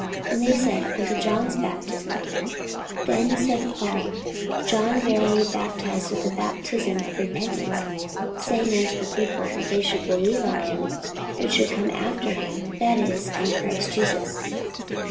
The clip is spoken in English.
And they said, Unto John's baptism. 44:019:004 Then said Paul, John verily baptized with the baptism of repentance, saying unto the people, that they should believe on him which should come after him, that is, on Christ Jesus.